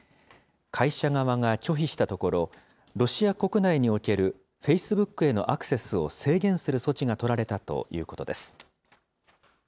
会社側が拒否したところ、ロシア国内におけるフェイスブックへのアクセスを制限する措置が取られたということです。